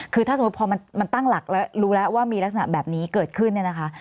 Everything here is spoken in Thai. คือถ้าสมมุติพอมันตั้งหลักแล้วรู้แล้วว่ามีลักษณะแบบนี้เกิดขึ้นเนี่ยนะคะ